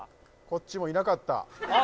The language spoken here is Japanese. こっちもいなかったあ